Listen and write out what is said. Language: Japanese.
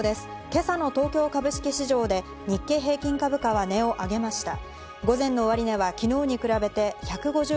今朝の東京株式市場で、日経平均株価は値を上げました。